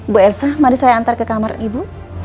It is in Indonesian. bu elsa mari saya antar ke kamar ibu